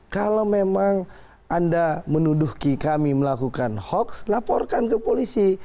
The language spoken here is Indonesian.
kalau memang anda menuduh kami melakukan hoax laporkan ke polisi